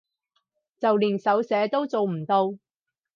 就連手寫都做唔到